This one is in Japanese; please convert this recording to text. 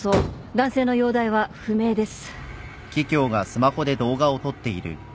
男性の容体は不明です。